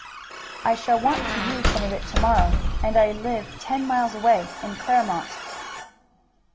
"I shall want to use some of it to morrow, and I live ten miles away in Claremont."